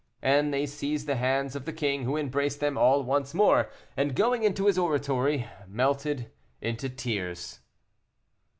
And they seized the hands of the king, who embraced them all once more, and, going into his oratory, melted into tears.